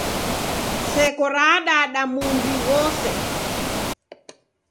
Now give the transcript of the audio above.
Seko raadada muw'i ghose.